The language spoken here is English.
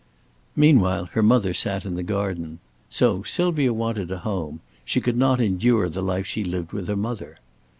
Meanwhile, her mother sat in the garden. So Sylvia wanted a home; she could not endure the life she lived with her mother.